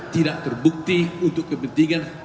tidak terbukti untuk kepentingan